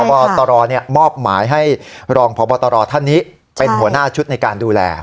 บอตรมอบหมายให้รองพบตรท่านนี้เป็นหัวหน้าชุดในการดูแล